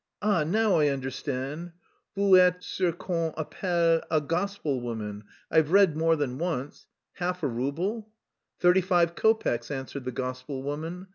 Ah, now I understand.... Vous êtes ce qu'on appelle a gospel woman; I've read more than once.... Half a rouble?" "Thirty five kopecks," answered the gospel woman.